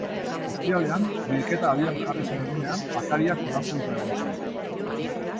Ostiralean, bilketa abian jarri zen egunean, ataria kolapsatuta egon zen.